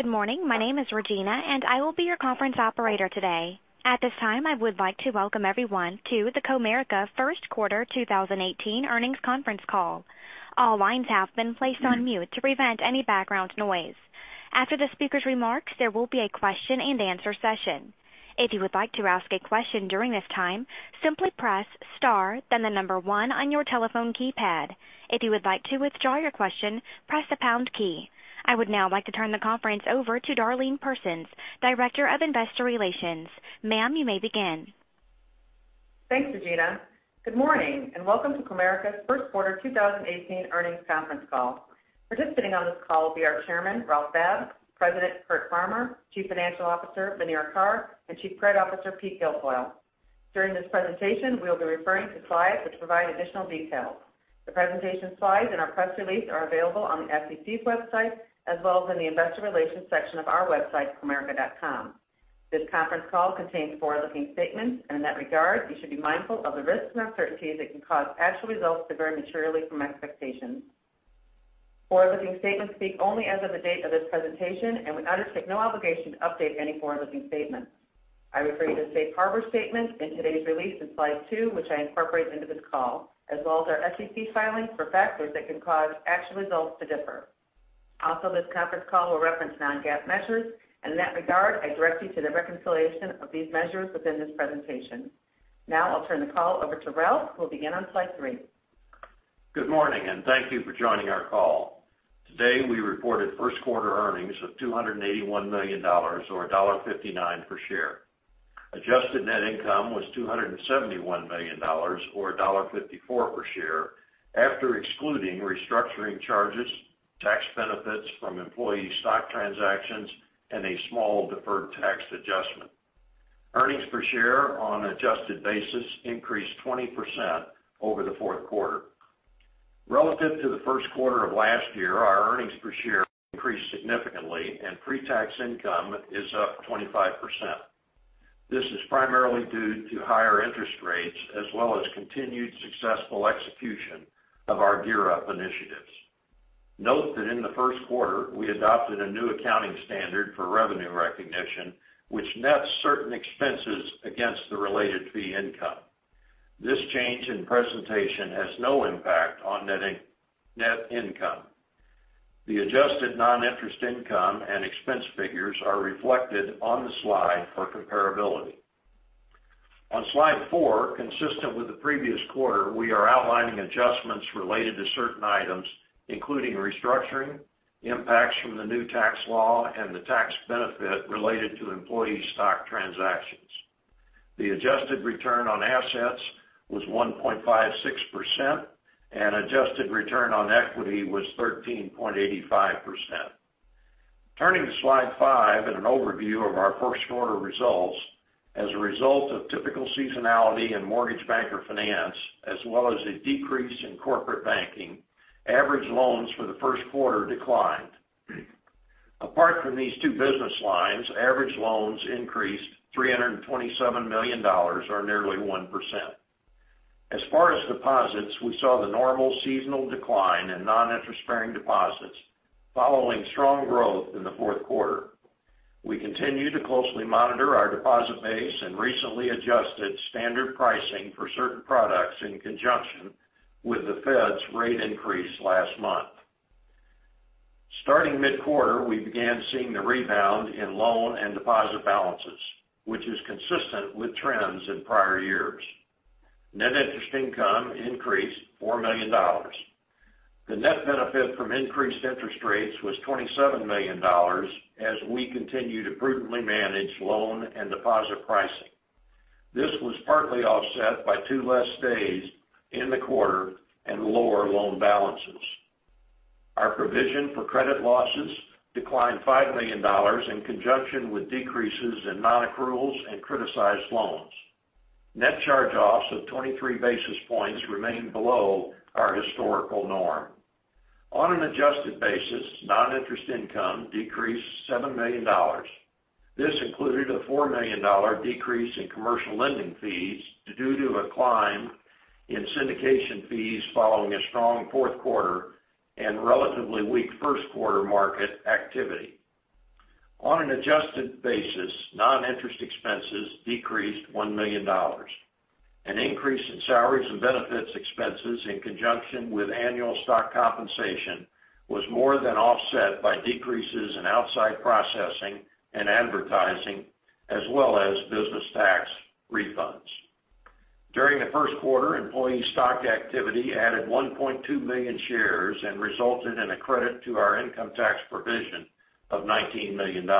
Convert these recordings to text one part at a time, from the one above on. Good morning. My name is Regina, I will be your conference operator today. At this time, I would like to welcome everyone to the Comerica First Quarter 2018 earnings conference call. All lines have been placed on mute to prevent any background noise. After the speaker's remarks, there will be a question and answer session. If you would like to ask a question during this time, simply press star, the number 1 on your telephone keypad. If you would like to withdraw your question, press the pound key. I would now like to turn the conference over to Darlene Persons, Director of Investor Relations. Ma'am, you may begin. Thanks, Regina. Good morning, welcome to Comerica's First Quarter 2018 earnings conference call. Participating on this call will be our Chairman, Ralph Babb, President, Curt Farmer, Chief Financial Officer, Muneera Carr, Chief Credit Officer, Pete Guilfoile. During this presentation, we'll be referring to slides which provide additional details. The presentation slides and our press release are available on the SEC's website, in the investor relations section of our website, comerica.com. This conference call contains forward-looking statements, in that regard, you should be mindful of the risks and uncertainties that can cause actual results to vary materially from expectations. Forward-looking statements speak only as of the date of this presentation, we undertake no obligation to update any forward-looking statements. I refer you to safe harbor statements in today's release on slide 2, which I incorporate into this call, our SEC filings for factors that can cause actual results to differ. This conference call will reference non-GAAP measures, in that regard, I direct you to the reconciliation of these measures within this presentation. I'll turn the call over to Ralph, who will begin on slide 3. Good morning, thank you for joining our call. Today, we reported first quarter earnings of $281 million, or $1.59 per share. Adjusted net income was $271 million, or $1.54 per share, after excluding restructuring charges, tax benefits from employee stock transactions, and a small deferred tax adjustment. Earnings per share on an adjusted basis increased 20% over the fourth quarter. Relative to the first quarter of last year, our earnings per share increased significantly, pre-tax income is up 25%. This is primarily due to higher interest rates, continued successful execution of our GEAR Up initiatives. Note that in the first quarter, we adopted a new accounting standard for revenue recognition, which nets certain expenses against the related fee income. This change in presentation has no impact on net income. The adjusted non-interest income and expense figures are reflected on the slide for comparability. On slide four, consistent with the previous quarter, we are outlining adjustments related to certain items, including restructuring, impacts from the new tax law, and the tax benefit related to employee stock transactions. The adjusted return on assets was 1.56%, and adjusted return on equity was 13.85%. Turning to slide five and an overview of our first quarter results, as a result of typical seasonality in Mortgage Banker Finance as well as a decrease in corporate banking, average loans for the first quarter declined. Apart from these two business lines, average loans increased $327 million, or nearly 1%. As far as deposits, we saw the normal seasonal decline in non-interest-bearing deposits following strong growth in the fourth quarter. We continue to closely monitor our deposit base and recently adjusted standard pricing for certain products in conjunction with the Fed's rate increase last month. Starting mid-quarter, we began seeing the rebound in loan and deposit balances, which is consistent with trends in prior years. Net interest income increased $4 million. The net benefit from increased interest rates was $27 million as we continue to prudently manage loan and deposit pricing. This was partly offset by two less days in the quarter and lower loan balances. Our provision for credit losses declined $5 million in conjunction with decreases in non-accruals and criticized loans. Net charge-offs of 23 basis points remain below our historical norm. On an adjusted basis, non-interest income decreased $7 million. This included a $4 million decrease in commercial lending fees due to a climb in syndication fees following a strong fourth quarter and relatively weak first quarter market activity. On an adjusted basis, non-interest expenses decreased $1 million. An increase in salaries and benefits expenses in conjunction with annual stock compensation was more than offset by decreases in outside processing and advertising as well as business tax refunds. During the first quarter, employee stock activity added 1.2 million shares and resulted in a credit to our income tax provision of $19 million.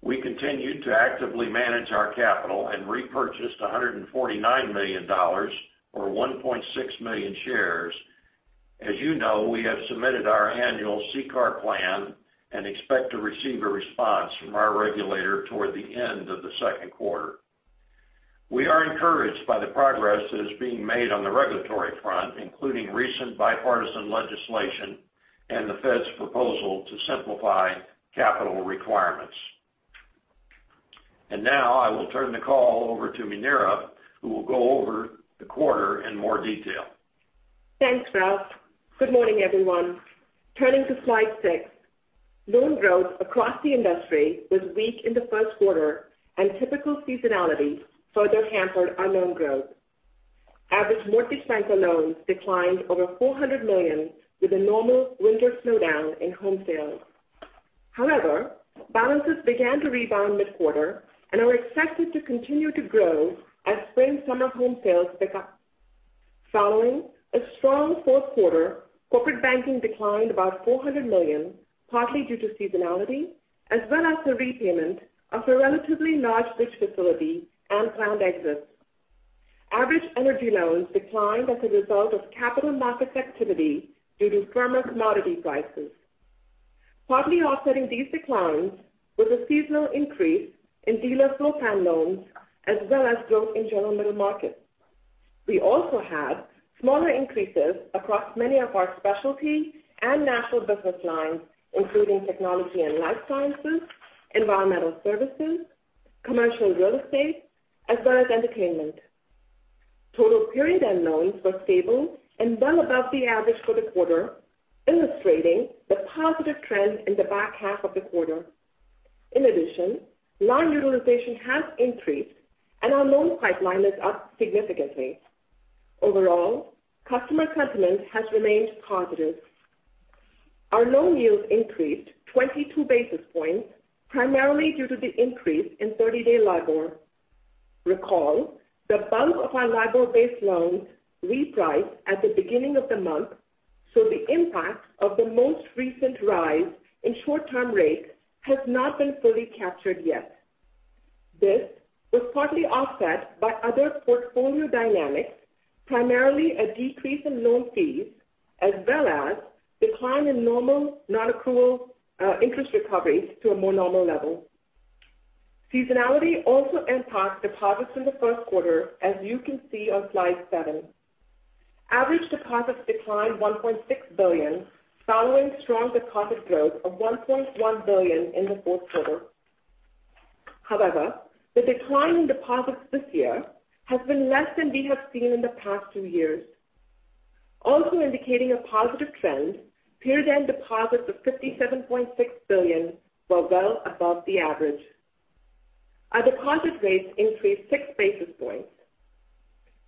We continued to actively manage our capital and repurchased $149 million, or 1.6 million shares. As you know, we have submitted our annual CCAR plan and expect to receive a response from our regulator toward the end of the second quarter. We are encouraged by the progress that is being made on the regulatory front, including recent bipartisan legislation and the Fed's proposal to simplify capital requirements. Now I will turn the call over to Muneera, who will go over the quarter in more detail. Thanks, Ralph. Good morning, everyone. Turning to slide six. Loan growth across the industry was weak in the first quarter and typical seasonality further hampered our loan growth. Average mortgage-bank loans declined over $400 million with the normal winter slowdown in home sales. However, balances began to rebound mid-quarter and are expected to continue to grow as spring/summer home sales pick up. Following a strong fourth quarter, corporate banking declined about $400 million, partly due to seasonality, as well as the repayment of a relatively large bridge facility and planned exits. Average energy loans declined as a result of capital market activity due to firmer commodity prices. Partly offsetting these declines was a seasonal increase in dealer floor-plan loans as well as growth in general middle market. We also had smaller increases across many of our specialty and natural business lines, including technology and life sciences, environmental services, commercial real estate, as well as entertainment. Total period-end loans were stable and well above the average for the quarter, illustrating the positive trend in the back half of the quarter. In addition, loan utilization has increased, and our loan pipeline is up significantly. Overall, customer sentiment has remained positive. Our loan yields increased 22 basis points, primarily due to the increase in 30-day LIBOR. Recall, the bulk of our LIBOR-based loans reprice at the beginning of the month, so the impact of the most recent rise in short-term rates has not been fully captured yet. This was partly offset by other portfolio dynamics, primarily a decrease in loan fees as well as decline in normal non-accrual interest recoveries to a more normal level. Seasonality also impacts deposits in the first quarter, as you can see on slide seven. Average deposits declined $1.6 billion, following strong deposit growth of $1.1 billion in the fourth quarter. However, the decline in deposits this year has been less than we have seen in the past two years. Also indicating a positive trend, period-end deposits of $57.6 billion were well above the average. Our deposit rates increased six basis points.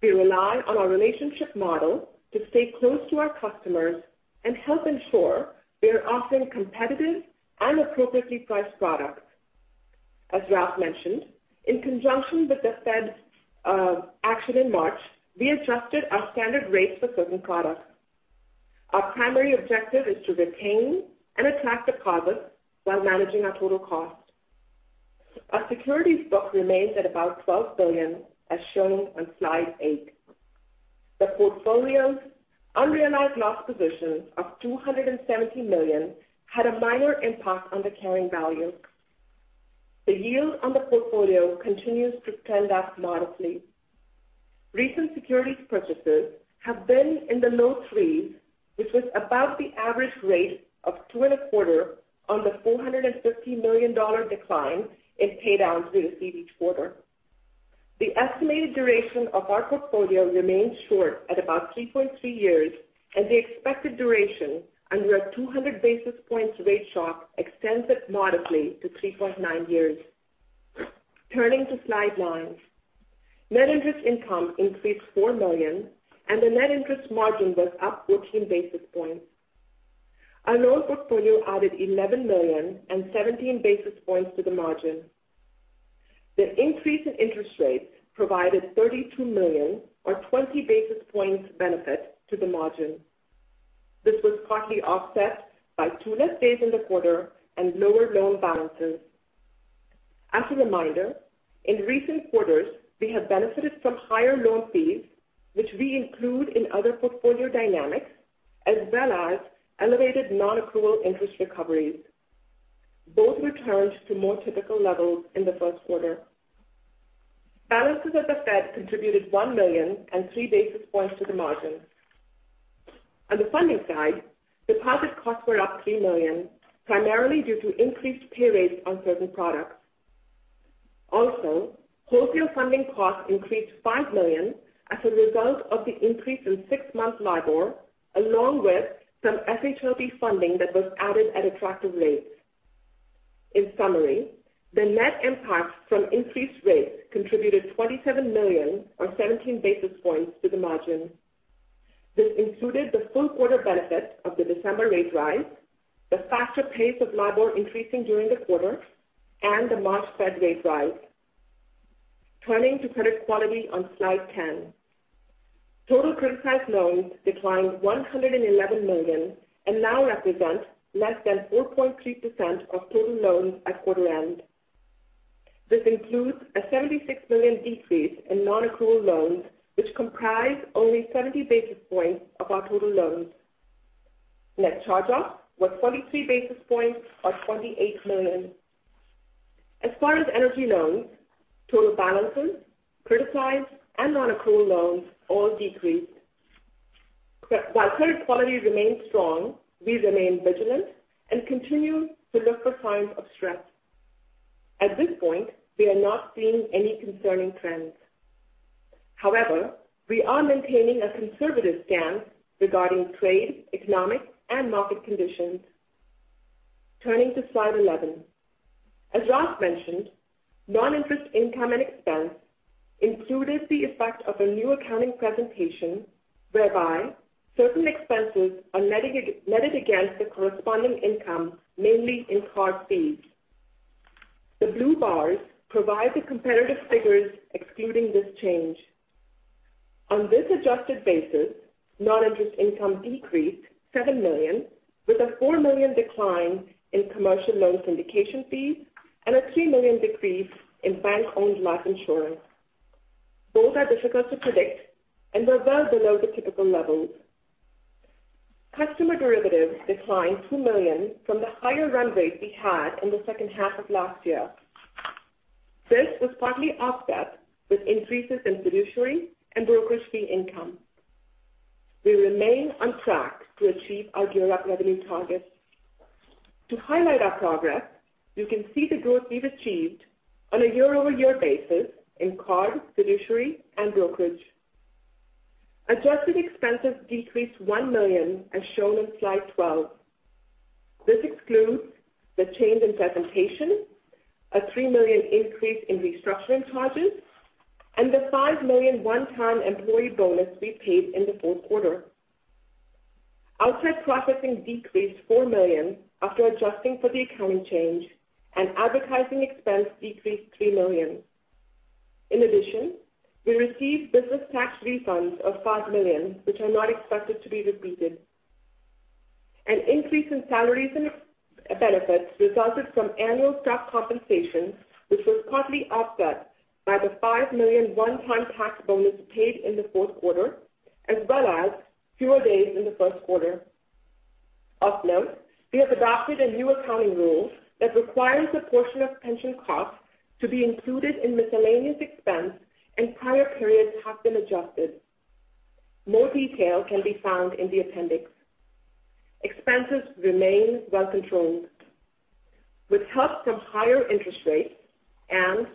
We rely on our relationship model to stay close to our customers and help ensure we are offering competitive and appropriately priced products. As Ralph mentioned, in conjunction with the Fed's action in March, we adjusted our standard rates for certain products. Our primary objective is to retain and attract deposits while managing our total cost. Our securities book remains at about $12 billion, as shown on slide eight. The portfolio's unrealized loss positions of $270 million had a minor impact on the carrying value. The yield on the portfolio continues to trend up modestly. Recent securities purchases have been in the low threes, which was above the average rate of two and a quarter on the $450 million decline in pay downs we received each quarter. The estimated duration of our portfolio remains short at about 3.3 years, and the expected duration under a 200 basis points rate shock extends it modestly to 3.9 years. Turning to slide nine. Net interest income increased $4 million and the net interest margin was up 14 basis points. Our loan portfolio added $11 million and 17 basis points to the margin. The increase in interest rates provided $32 million or 20 basis points benefit to the margin. This was partly offset by two less days in the quarter and lower loan balances. As a reminder, in recent quarters, we have benefited from higher loan fees, which we include in other portfolio dynamics as well as elevated non-accrual interest recoveries. Both returned to more typical levels in the first quarter. Balances at the Fed contributed $1 million and three basis points to the margin. On the funding side, deposit costs were up $3 million, primarily due to increased pay rates on certain products. Also, wholesale funding costs increased $5 million as a result of the increase in six-month LIBOR, along with some FHLB funding that was added at attractive rates. In summary, the net impact from increased rates contributed $27 million or 17 basis points to the margin. This included the full quarter benefit of the December rate rise, the faster pace of LIBOR increasing during the quarter, and the March Fed rate rise. Turning to credit quality on slide 10. Total criticized loans declined $111 million and now represent less than 4.3% of total loans at quarter end. This includes a $76 million decrease in non-accrual loans, which comprise only 70 basis points of our total loans. Net charge-off was 43 basis points or $28 million. As far as energy loans, total balances, criticized, and non-accrual loans all decreased. While credit quality remains strong, we remain vigilant and continue to look for signs of stress. At this point, we are not seeing any concerning trends. However, we are maintaining a conservative stance regarding trade, economic, and market conditions. Turning to slide 11. As Ralph mentioned, non-interest income and expense included the effect of a new accounting presentation whereby certain expenses are netted against the corresponding income, mainly in card fees. The blue bars provide the comparative figures excluding this change. On this adjusted basis, non-interest income decreased $7 million, with a $4 million decline in commercial loan syndication fees and a $3 million decrease in bank-owned life insurance. Both are difficult to predict and were well below the typical levels. Customer derivatives declined $2 million from the higher run rate we had in the second half of last year. This was partly offset with increases in fiduciary and brokerage fee income. We remain on track to achieve our GEAR Up revenue targets. To highlight our progress, you can see the growth we've achieved on a year-over-year basis in card, fiduciary, and brokerage. Adjusted expenses decreased $1 million, as shown on slide 12. This excludes the change in presentation, a $3 million increase in restructuring charges, and the $5 million one-time employee bonus we paid in the fourth quarter. Outside processing decreased $4 million after adjusting for the accounting change, and advertising expense decreased $3 million. In addition, we received business tax refunds of $5 million, which are not expected to be repeated. An increase in salaries and benefits resulted from annual staff compensation, which was partly offset by the $5 million one-time tax bonus paid in the fourth quarter, as well as fewer days in the first quarter. Of note, we have adopted a new accounting rule that requires a portion of pension costs to be included in miscellaneous expense, and prior periods have been adjusted. More detail can be found in the appendix. Expenses remain well controlled. With help from higher interest rates and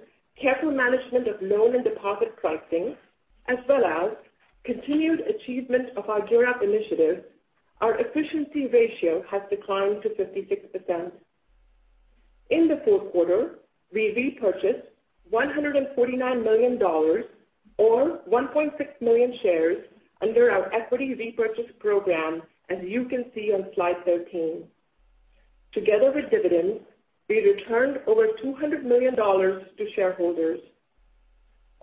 careful management of loan and deposit pricing, as well as continued achievement of our GEAR Up initiative, our efficiency ratio has declined to 56%. In the fourth quarter, we repurchased $149 million, or 1.6 million shares under our equity repurchase program, as you can see on slide 13. Together with dividends, we returned over $200 million to shareholders.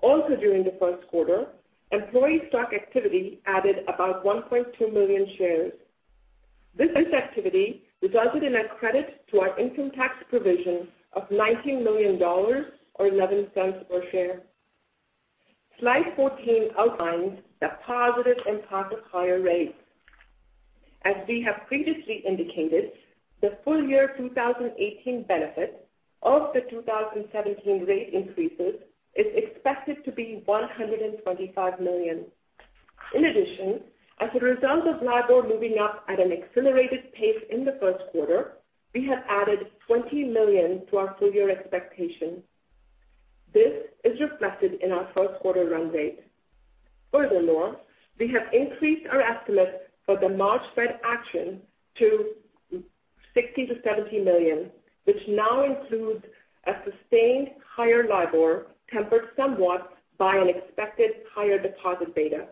Also during the first quarter, employee stock activity added about 1.2 million shares. This activity resulted in a credit to our income tax provision of $19 million or $0.11 per share. Slide 14 outlines the positive impact of higher rates. As we have previously indicated, the full year 2018 benefit of the 2017 rate increases is expected to be $125 million. In addition, as a result of LIBOR moving up at an accelerated pace in the first quarter, we have added $20 million to our full-year expectation. This is reflected in our first quarter run rate. Furthermore, we have increased our estimate for the March Fed action to $60 million-$70 million, which now includes a sustained higher LIBOR, tempered somewhat by an expected higher deposit beta.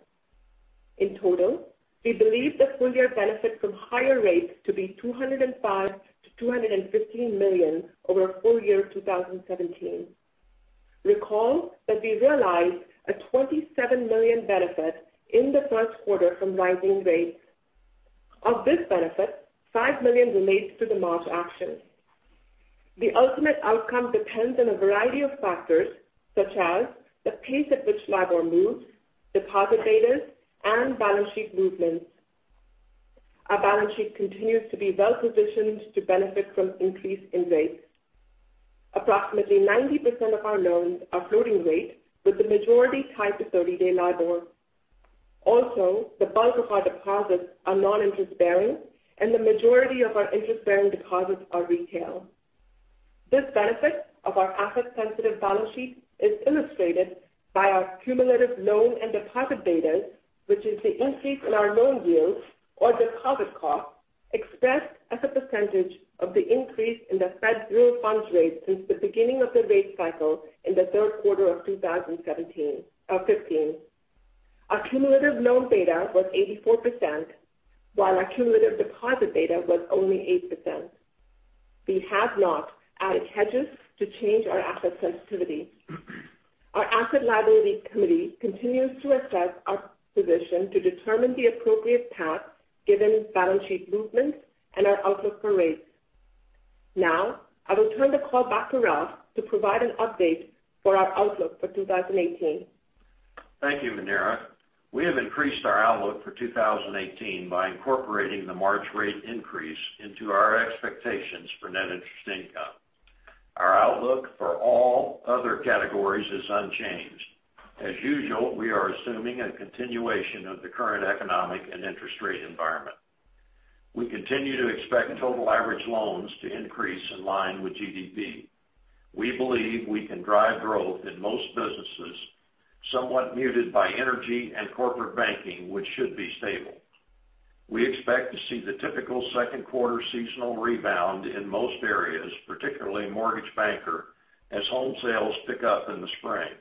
In total, we believe the full year benefit from higher rates to be $205 million-$215 million over full year 2017. Recall that we realized a $27 million benefit in the first quarter from rising rates. Of this benefit, $5 million relates to the March action. The ultimate outcome depends on a variety of factors, such as the pace at which LIBOR moves, deposit betas, and balance sheet movements. Our balance sheet continues to be well positioned to benefit from increase in rates. Approximately 90% of our loans are floating rate, with the majority tied to 30-day LIBOR. Also, the bulk of our deposits are non-interest bearing, and the majority of our interest-bearing deposits are retail. This benefit of our asset-sensitive balance sheet is illustrated by our cumulative loan and deposit betas which is the increase in our loan yields or deposit costs expressed as a percentage of the increase in the Fed real funds rate since the beginning of the rate cycle in the third quarter of 2015. Our cumulative loan beta was 84%, while our cumulative deposit beta was only 8%. We have not added hedges to change our asset sensitivity. Our asset liability committee continues to assess our position to determine the appropriate path given balance sheet movements and our outlook for rates. I will turn the call back to Ralph to provide an update for our outlook for 2018. Thank you, Muneera. We have increased our outlook for 2018 by incorporating the March rate increase into our expectations for net interest income. Our outlook for all other categories is unchanged. As usual, we are assuming a continuation of the current economic and interest rate environment. We continue to expect total average loans to increase in line with GDP. We believe we can drive growth in most businesses, somewhat muted by energy and corporate banking, which should be stable. We expect to see the typical second quarter seasonal rebound in most areas, particularly mortgage banker, as home sales pick up in the spring.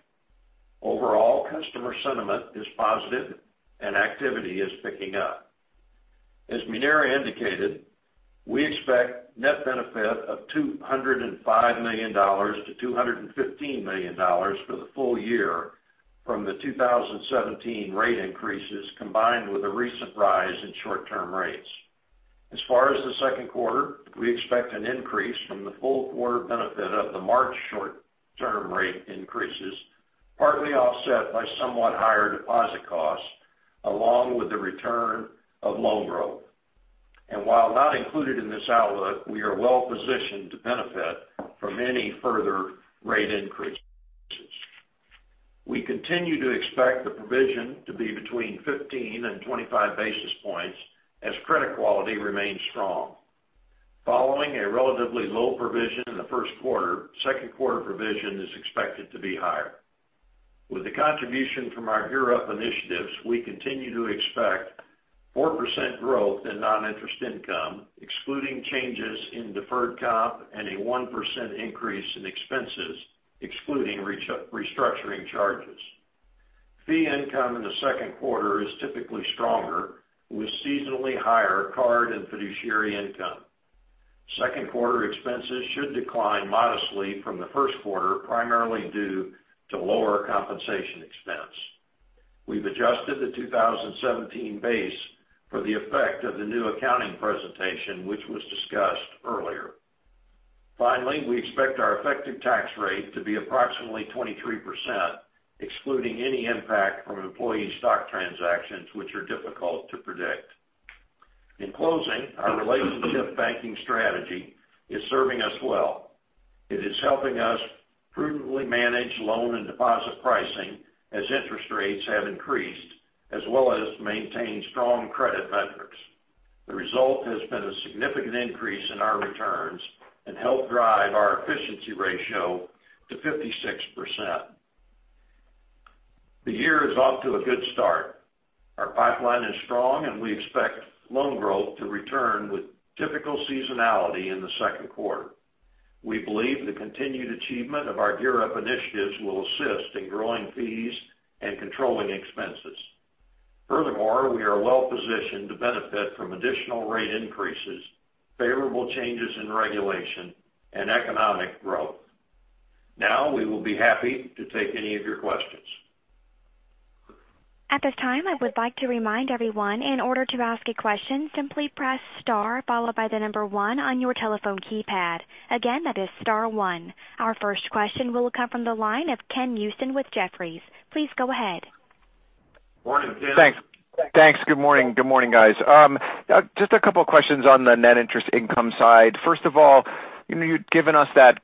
Overall, customer sentiment is positive and activity is picking up. As Muneera indicated, we expect net benefit of $205 million-$215 million for the full year from the 2017 rate increases, combined with a recent rise in short-term rates. As far as the second quarter, we expect an increase from the full quarter benefit of the March short-term rate increases, partly offset by somewhat higher deposit costs along with the return of loan growth. While not included in this outlook, we are well positioned to benefit from any further rate increases. We continue to expect the provision to be between 15 and 25 basis points as credit quality remains strong. Following a relatively low provision in the first quarter, second quarter provision is expected to be higher. With the contribution from our GEAR Up initiatives, we continue to expect 4% growth in non-interest income, excluding changes in deferred comp and a 1% increase in expenses, excluding restructuring charges. Fee income in the second quarter is typically stronger, with seasonally higher card and fiduciary income. Second quarter expenses should decline modestly from the first quarter, primarily due to lower compensation expense. We've adjusted the 2017 base for the effect of the new accounting presentation, which was discussed earlier. Finally, we expect our effective tax rate to be approximately 23%, excluding any impact from employee stock transactions, which are difficult to predict. In closing, our relationship banking strategy is serving us well. It is helping us prudently manage loan and deposit pricing as interest rates have increased, as well as maintain strong credit metrics. The result has been a significant increase in our returns and helped drive our efficiency ratio to 56%. The year is off to a good start. Our pipeline is strong, and we expect loan growth to return with typical seasonality in the second quarter. We believe the continued achievement of our GEAR Up initiatives will assist in growing fees and controlling expenses. We are well positioned to benefit from additional rate increases, favorable changes in regulation, and economic growth. We will be happy to take any of your questions. At this time, I would like to remind everyone, in order to ask a question, simply press star followed by the number one on your telephone keypad. Again, that is star one. Our first question will come from the line of Ken Usdin with Jefferies. Please go ahead. Morning, Ken. Thanks. Good morning. Good morning, guys. Just a couple of questions on the net interest income side. First of all, you'd given us that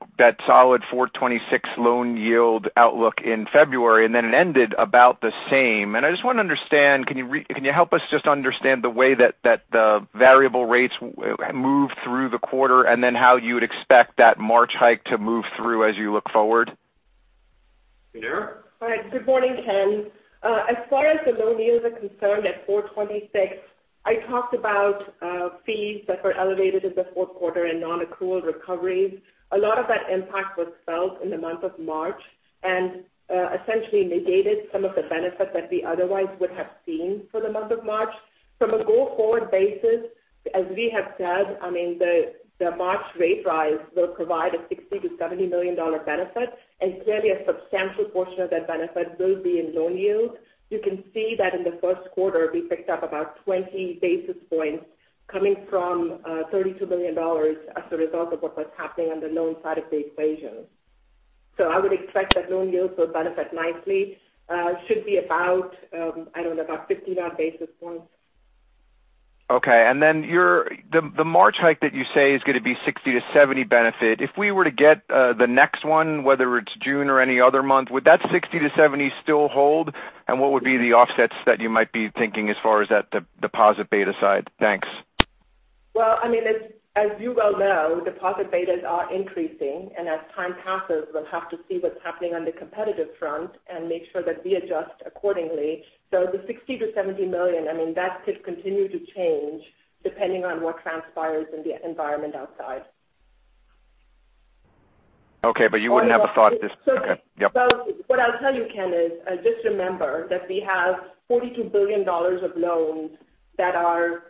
solid 426 loan yield outlook in February, then it ended about the same. I just want to understand, can you help us just understand the way that the variable rates move through the quarter, then how you would expect that March hike to move through as you look forward? Muneera? All right. Good morning, Ken. As far as the loan yields are concerned at 426, I talked about fees that were elevated in the fourth quarter and non-accrual recoveries. A lot of that impact was felt in the month of March and essentially mitigated some of the benefits that we otherwise would have seen for the month of March. From a go-forward basis, as we have said, the March rate rise will provide a $60 million-$70 million benefit, and clearly a substantial portion of that benefit will be in loan yield. You can see that in the first quarter, we picked up about 20 basis points coming from $32 million as a result of what was happening on the loan side of the equation. I would expect that loan yields will benefit nicely. Should be about, I don't know, about 59 basis points. Okay. Then the March hike that you say is going to be $60 million-$70 million benefit. If we were to get the next one, whether it's June or any other month, would that $60 million-$70 million still hold? What would be the offsets that you might be thinking as far as that deposit beta side? Thanks. As you well know, deposit betas are increasing, as time passes, we'll have to see what's happening on the competitive front and make sure that we adjust accordingly. The $60 million to $70 million, that could continue to change depending on what transpires in the environment outside. Okay. You wouldn't have a thought this. Okay. Yep. What I'll tell you, Ken, is just remember that we have $42 billion of loans that are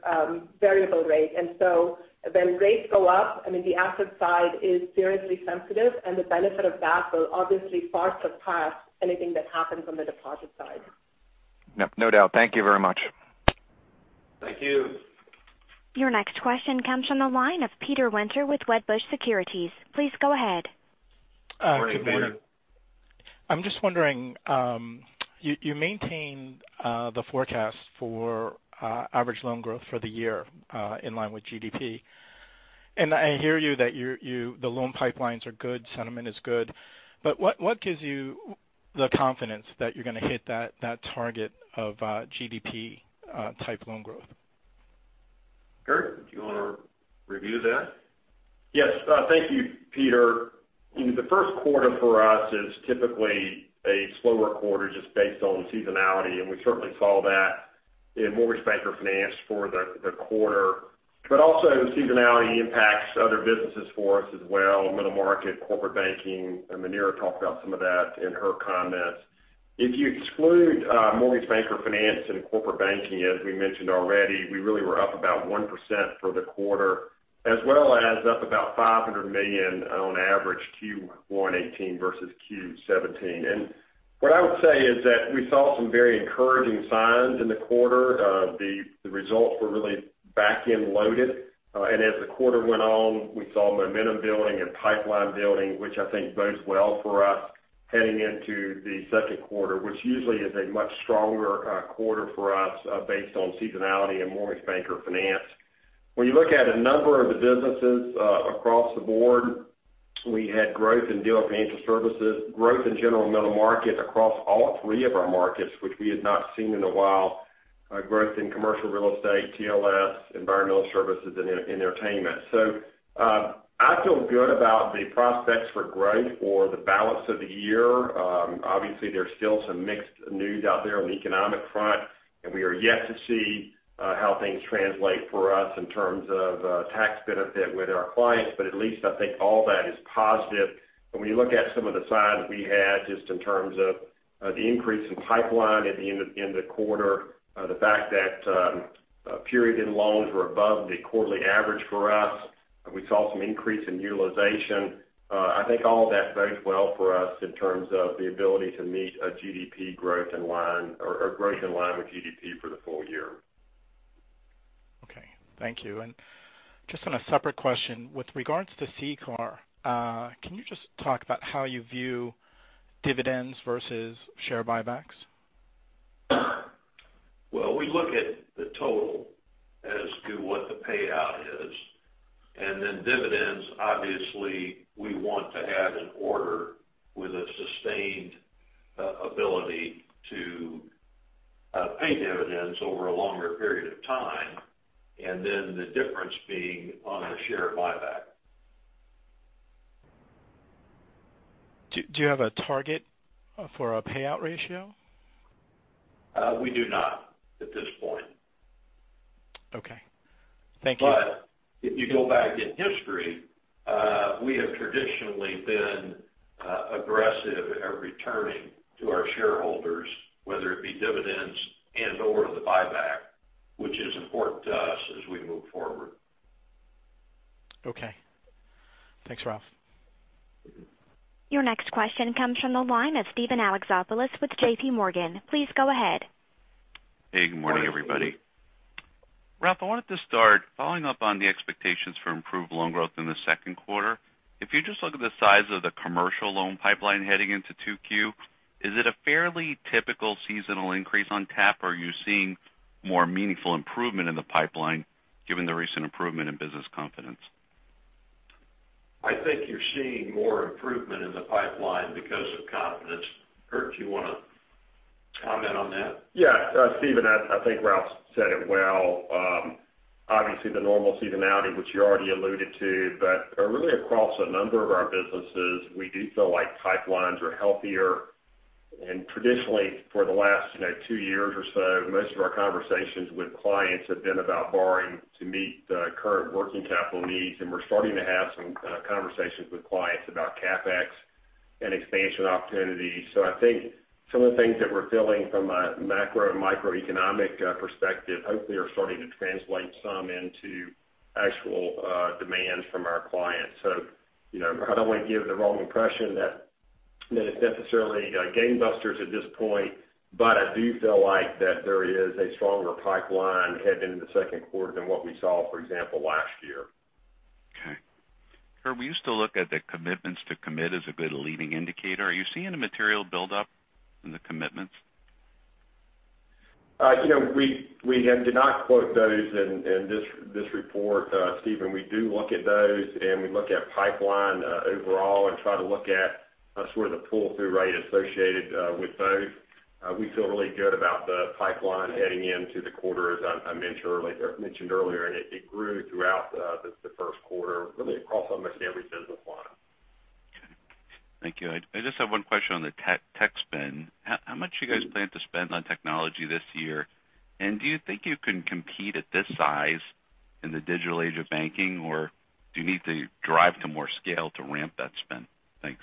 variable rate. When rates go up, the asset side is seriously sensitive, and the benefit of that will obviously far surpass anything that happens on the deposit side. No doubt. Thank you very much. Thank you. Your next question comes from the line of Peter Winter with Wedbush Securities. Please go ahead. Morning, Peter. I'm just wondering, you maintain the forecast for average loan growth for the year, in line with GDP. I hear you that the loan pipelines are good, sentiment is good, but what gives you the confidence that you're going to hit that target of GDP type loan growth? Curt, do you want to review that? Yes. Thank you, Peter. The first quarter for us is typically a slower quarter just based on seasonality, and we certainly saw that in Mortgage Banker Finance for the quarter. Seasonality impacts other businesses for us as well, middle market, corporate banking, and Muneera talked about some of that in her comments. If you exclude Mortgage Banker Finance and corporate banking, as we mentioned already, we really were up about 1% for the quarter, as well as up about $500 million on average Q1 2018 versus Q1 2017. What I would say is that we saw some very encouraging signs in the quarter. The results were really back-end loaded. As the quarter went on, we saw momentum building and pipeline building, which I think bodes well for us heading into the second quarter, which usually is a much stronger quarter for us based on seasonality and Mortgage Banker Finance. When you look at a number of the businesses across the board, we had growth in dealer financial services, growth in general middle market across all three of our markets, which we had not seen in a while, growth in commercial real estate, TLS, environmental services, and entertainment. I feel good about the prospects for growth for the balance of the year. Obviously, there's still some mixed news out there on the economic front, and we are yet to see how things translate for us in terms of tax benefit with our clients. At least I think all that is positive. When we look at some of the signs we had just in terms of the increase in pipeline at the end of the quarter, the fact that period-end loans were above the quarterly average for us, and we saw some increase in utilization. I think all of that bodes well for us in terms of the ability to meet a growth in line with GDP for the full year. Just on a separate question, with regards to CCAR, can you just talk about how you view dividends versus share buybacks? Well, we look at the total as to what the payout is, dividends, obviously, we want to have an order with a sustained ability to pay dividends over a longer period of time, the difference being on a share buyback. Do you have a target for a payout ratio? We do not at this point. Okay. Thank you. If you go back in history, we have traditionally been aggressive at returning to our shareholders, whether it be dividends and/or the buyback, which is important to us as we move forward. Okay. Thanks, Ralph. Your next question comes from the line of Steven Alexopoulos with JPMorgan. Please go ahead. Hey, good morning, everybody. Ralph, I wanted to start following up on the expectations for improved loan growth in the second quarter. If you just look at the size of the commercial loan pipeline heading into 2Q, is it a fairly typical seasonal increase on tap? Are you seeing more meaningful improvement in the pipeline given the recent improvement in business confidence? I think you're seeing more improvement in the pipeline because of confidence. Curt, do you want to comment on that? Yeah, Steven, I think Ralph said it well. Obviously, the normal seasonality which you already alluded to. Really across a number of our businesses, we do feel like pipelines are healthier. Traditionally, for the last two years or so, most of our conversations with clients have been about borrowing to meet the current working capital needs. We're starting to have some conversations with clients about CapEx and expansion opportunities. I think some of the things that we're feeling from a macro and microeconomic perspective hopefully are starting to translate some into actual demands from our clients. I don't want to give the wrong impression that it's necessarily game busters at this point, but I do feel like that there is a stronger pipeline heading into the second quarter than what we saw, for example, last year. Okay. Curt, we used to look at the commitments to commit as a good leading indicator. Are you seeing a material buildup in the commitments? We have did not quote those in this report, Steven. We do look at those, and we look at pipeline overall and try to look at sort of the pull-through rate associated with those. We feel really good about the pipeline heading into the quarter, as I mentioned earlier. It grew throughout the first quarter, really across almost every business line. Okay. Thank you. I just have 1 question on the tech spend. How much do you guys plan to spend on technology this year? Do you think you can compete at this size in the digital age of banking, or do you need to drive to more scale to ramp that spend? Thanks.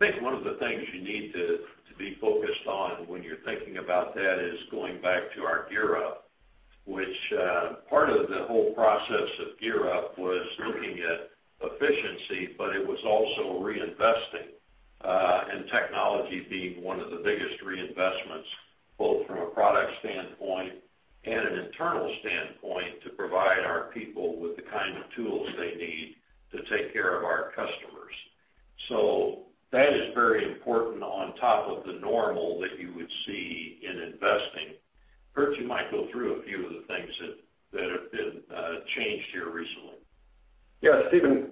I think one of the things you need to be focused on when you're thinking about that is going back to our GEAR Up, which part of the whole process of GEAR Up was looking at efficiency, but it was also reinvesting. Technology being one of the biggest reinvestments, both from a product standpoint and an internal standpoint, to provide our people with the kind of tools they need to take care of our customers. That is very important on top of the normal that you would see in investing. Curt, you might go through a few of the things that have been changed here recently. Yes, Steven.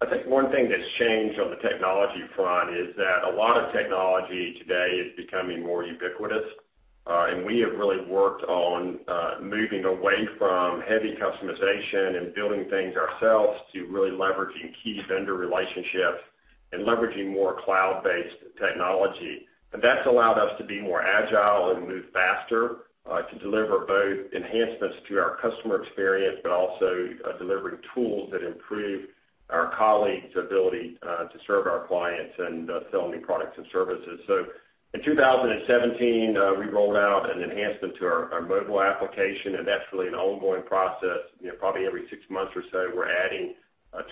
I think one thing that's changed on the technology front is that a lot of technology today is becoming more ubiquitous. We have really worked on moving away from heavy customization and building things ourselves to really leveraging key vendor relationships and leveraging more cloud-based technology. That's allowed us to be more agile and move faster, to deliver both enhancements to our customer experience, but also delivering tools that improve our colleagues' ability to serve our clients and sell new products and services. In 2017, we rolled out an enhancement to our mobile application, and that's really an ongoing process. Probably every six months or so, we're adding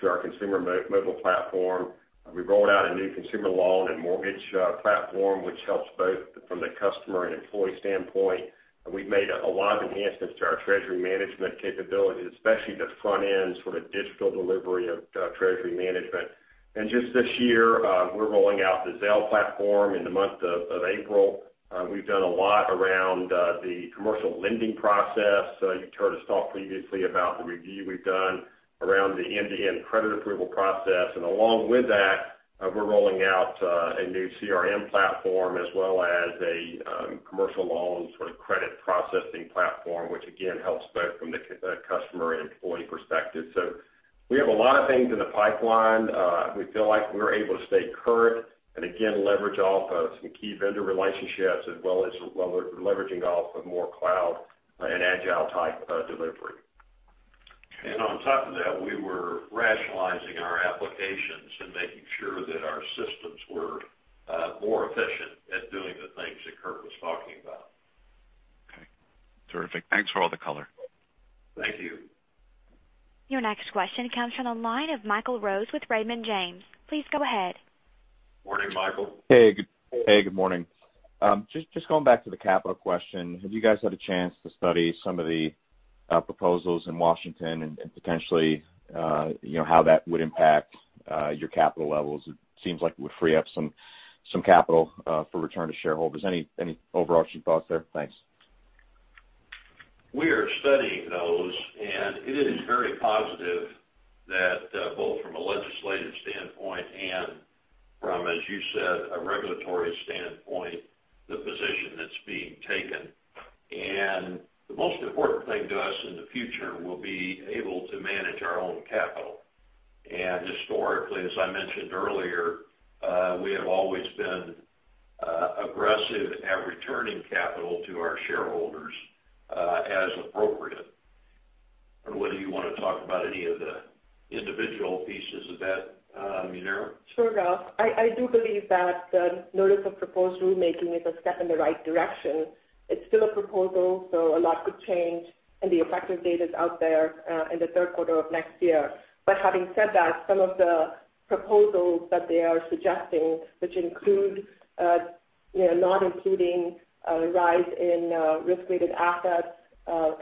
to our consumer mobile platform. We rolled out a new consumer loan and mortgage platform, which helps both from the customer and employee standpoint. We've made a lot of enhancements to our treasury management capabilities, especially the front end, sort of digital delivery of treasury management. Just this year, we're rolling out the Zelle platform in the month of April. We've done a lot around the commercial lending process. You've heard us talk previously about the review we've done around the end-to-end credit approval process. Along with that, we're rolling out a new CRM platform as well as a commercial loan sort of credit processing platform, which again helps both from the customer and employee perspective. We have a lot of things in the pipeline. We feel like we're able to stay current and again, leverage off of some key vendor relationships as well as leveraging off of more cloud and agile type delivery. On top of that, we were rationalizing our applications and making sure that our systems were more efficient at doing the things that Curt was talking about. Okay. Terrific. Thanks for all the color. Thank you. Your next question comes from the line of Michael Rose with Raymond James. Please go ahead. Morning, Michael. Hey, good morning. Just going back to the capital question, have you guys had a chance to study some of the proposals in Washington and potentially how that would impact your capital levels? It seems like it would free up some capital for return to shareholders. Any overarching thoughts there? Thanks. We are studying those, it is very positive that both from a legislative standpoint and from, as you said, a regulatory standpoint, the position that's being taken. The most important thing to us in the future, we'll be able to manage our own capital. Historically, as I mentioned earlier, we have always been aggressive at returning capital to our shareholders, as appropriate. I don't know whether you want to talk about any of the individual pieces of that, Muneera? Sure, Ralph. I do believe that the notice of proposed rulemaking is a step in the right direction. It's still a proposal, a lot could change, and the effective date is out there in the third quarter of next year. Having said that, some of the proposals that they are suggesting, which include not including a rise in risk-weighted assets,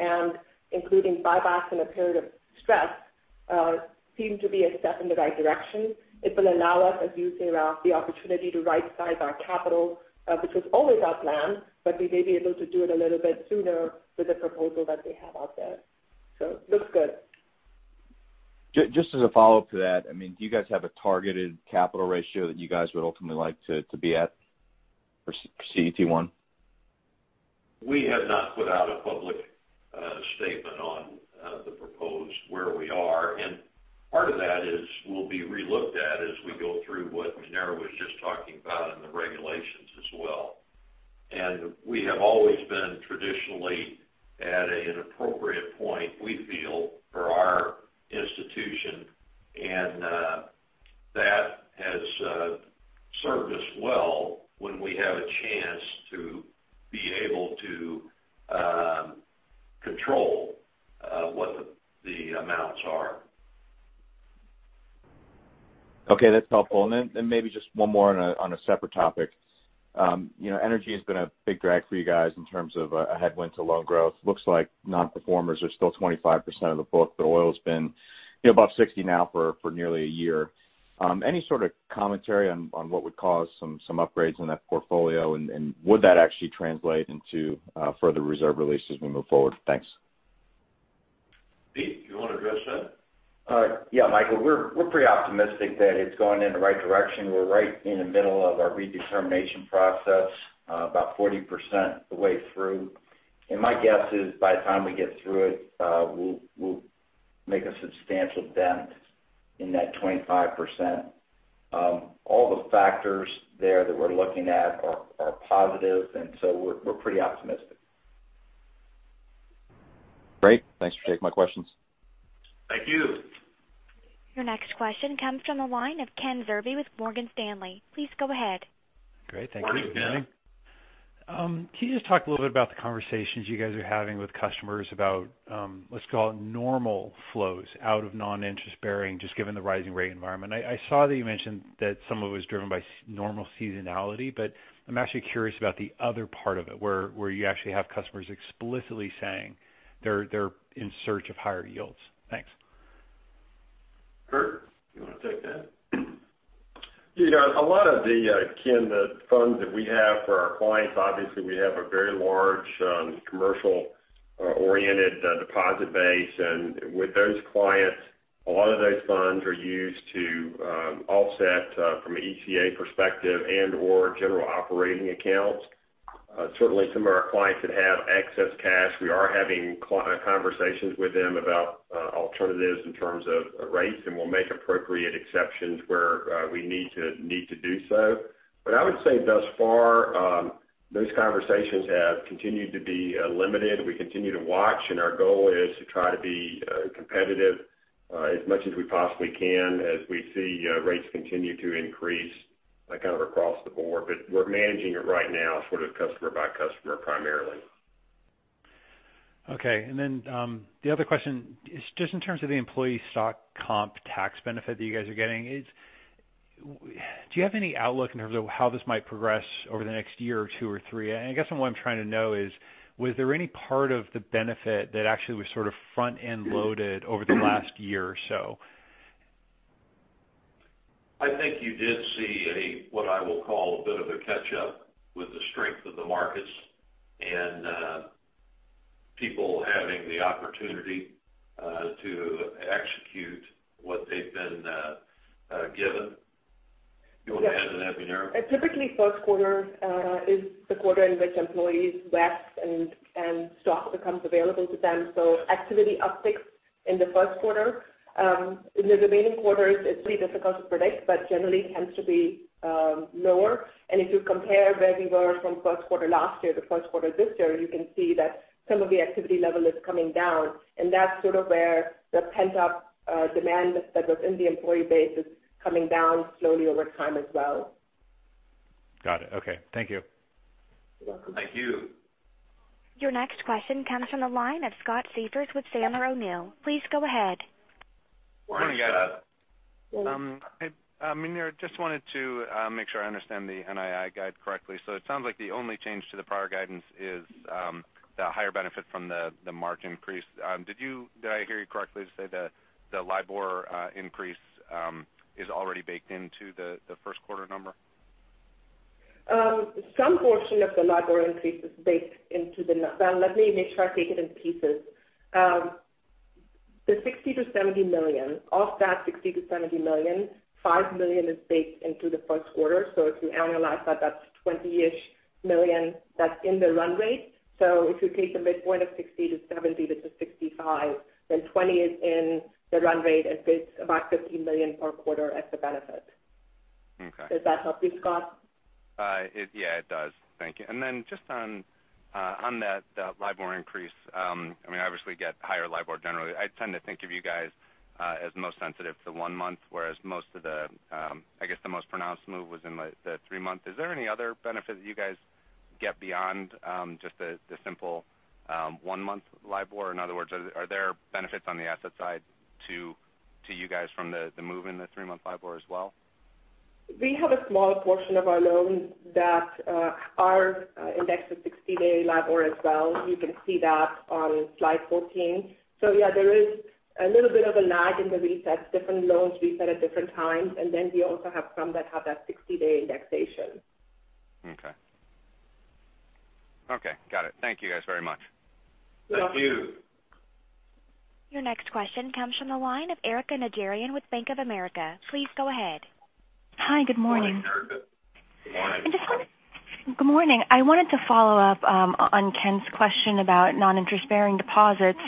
and including buybacks in a period of stress, seem to be a step in the right direction. It will allow us, as you say, Ralph, the opportunity to rightsize our capital, which was always our plan, but we may be able to do it a little bit sooner with the proposal that they have out there. Looks good. Just as a follow-up to that, do you guys have a targeted capital ratio that you guys would ultimately like to be at for CET1? We have not put out a public statement on the proposed where we are, part of that is, will be relooked at as we go through what Muneera was just talking about in the regulations as well. We have always been traditionally at an appropriate point, we feel, for our institution, and that has served us well when we have a chance to be able to control what the amounts are. Okay, that's helpful. Then maybe just one more on a separate topic. Energy has been a big drag for you guys in terms of a headwind to loan growth. Looks like non-performers are still 25% of the book, but oil's been above $60 now for nearly a year. Any sort of commentary on what would cause some upgrades in that portfolio, and would that actually translate into further reserve releases as we move forward? Thanks. Pete, do you want to address that? Yeah, Michael, we're pretty optimistic that it's going in the right direction. We're right in the middle of our redetermination process, about 40% the way through. My guess is by the time we get through it, we'll make a substantial dent in that 25%. All the factors there that we're looking at are positive, we're pretty optimistic. Great. Thanks for taking my questions. Thank you. Your next question comes from the line of Ken Zerbe with Morgan Stanley. Please go ahead. Great. Thank you, Ken. Can you just talk a little bit about the conversations you guys are having with customers about, let's call it normal flows out of non-interest bearing, just given the rising rate environment? I saw that you mentioned that some of it was driven by normal seasonality, but I'm actually curious about the other part of it, where you actually have customers explicitly saying they're in search of higher yields. Thanks. Curt, you want to take that? Yeah. A lot of the, Ken, the funds that we have for our clients, obviously, we have a very large commercial-oriented deposit base. With those clients, a lot of those funds are used to offset from an ECA perspective and/or general operating accounts. Certainly, some of our clients that have excess cash, we are having conversations with them about alternatives in terms of rates, and we'll make appropriate exceptions where we need to do so. I would say thus far, those conversations have continued to be limited. We continue to watch, and our goal is to try to be competitive as much as we possibly can as we see rates continue to increase kind of across the board. We're managing it right now sort of customer by customer, primarily. Okay. The other question is just in terms of the employee stock comp tax benefit that you guys are getting. Do you have any outlook in terms of how this might progress over the next year or two or three? I guess what I'm trying to know is, was there any part of the benefit that actually was sort of front-end loaded over the last year or so? I think you did see what I will call a bit of a catch-up with the strength of the markets and people having the opportunity to execute what they've been given. You want to add to that, Muneera? Typically, first quarter is the quarter in which employees vest and stock becomes available to them. Activity upticks in the first quarter. In the remaining quarters, it's really difficult to predict, generally tends to be lower. If you compare where we were from first quarter last year to first quarter this year, you can see that some of the activity level is coming down. That's sort of where the pent-up demand that was in the employee base is coming down slowly over time as well. Got it. Okay. Thank you. You're welcome. Thank you. Your next question comes from the line of Scott Siefers with Sandler O'Neill. Please go ahead. Morning, Scott. Morning. Hello. Muneera, just wanted to make sure I understand the NII guide correctly. It sounds like the only change to the prior guidance is the higher benefit from the margin increase. Did I hear you correctly to say that the LIBOR increase is already baked into the first quarter number? Some portion of the LIBOR increase is baked into the. Well, let me make sure I take it in pieces. The $60 million-$70 million. Of that $60 million-$70 million, $5 million is baked into the first quarter. If you annualize that's $20-ish million that's in the run rate. If you take the midpoint of $60-$70, which is $65, then $20 is in the run rate, and it's about $15 million per quarter as the benefit. Okay. Does that help you, Scott? Yeah, it does. Thank you. Just on that LIBOR increase, obviously we get higher LIBOR generally. I tend to think of you guys as most sensitive to one month, whereas I guess the most pronounced move was in the three month. Is there any other benefit that you guys get beyond just the simple one-month LIBOR? In other words, are there benefits on the asset side to you guys from the move in the three-month LIBOR as well? We have a small portion of our loans that are indexed to 60-day LIBOR as well. You can see that on slide 14. Yeah, there is a little bit of a lag in the resets. Different loans reset at different times. We also have some that have that 60-day indexation. Okay. Okay, got it. Thank you guys very much. You're welcome. Thank you. Your next question comes from the line of Erika Najarian with Bank of America. Please go ahead. Morning, Erika. Good morning. And just- Good morning. Good morning. I wanted to follow up on Ken's question about non-interest-bearing deposits.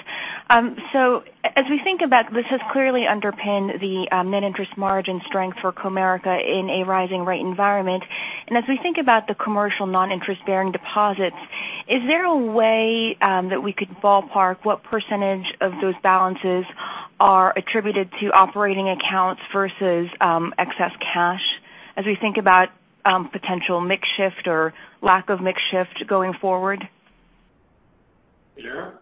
As we think about this has clearly underpinned the net interest margin strength for Comerica in a rising rate environment, as we think about the commercial non-interest-bearing deposits, is there a way that we could ballpark what % of those balances are attributed to operating accounts versus excess cash as we think about potential mix shift or lack of mix shift going forward? Muneera?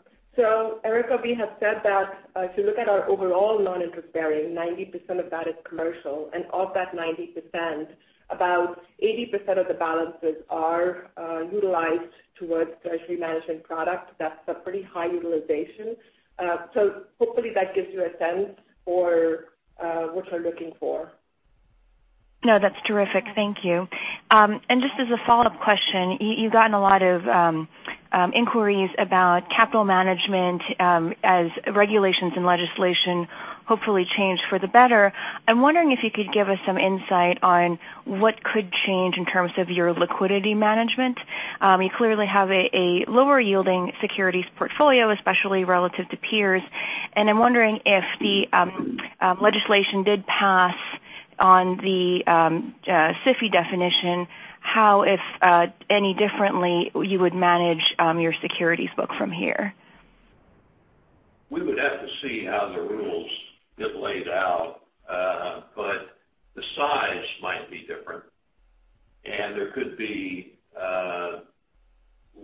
Erika, we have said that if you look at our overall non-interest-bearing, 90% of that is commercial. Of that 90%, about 80% of the balances are utilized towards treasury management products. That's a pretty high utilization. Hopefully that gives you a sense for what you're looking for. No, that's terrific. Thank you. Just as a follow-up question, you've gotten a lot of inquiries about capital management as regulations and legislation hopefully change for the better. I'm wondering if you could give us some insight on what could change in terms of your liquidity management. You clearly have a lower yielding securities portfolio, especially relative to peers. I'm wondering if the legislation did pass on the SIFI definition, how, if any differently, you would manage your securities book from here? We would have to see how the rules get laid out. The size might be different, and there could be